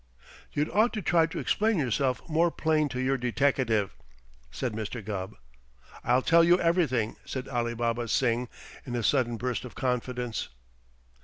"You'd ought to try to explain yourself more plain to your deteckative," said Mr. Gubb. "I'll tell you everything!" said Alibaba Singh in a sudden burst of confidence.